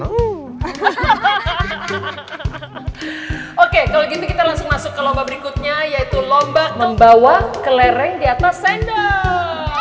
oke kalau gitu kita langsung masuk ke lomba berikutnya yaitu lomba membawa kelereng di atas sendok